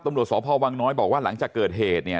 ตำรวจสพวังน้อยบอกว่าหลังจากเกิดเหตุเนี่ย